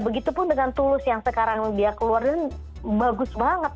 begitupun dengan tulus yang sekarang dia keluarin bagus banget